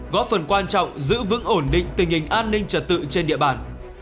góp phần quan trọng giữ vững ổn định tình hình an ninh trật tự trên địa bàn